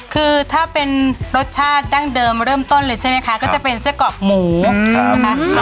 คือถ้าเป็นรสชาติดั้งเดิมเริ่มต้นเลยใช่ไหมคะก็จะเป็นไส้กรอกหมูนะคะ